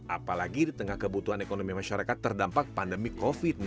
apalagi di tengah kebutuhan ekonomi masyarakat terdampak pandemi covid sembilan belas